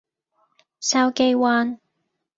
筲箕灣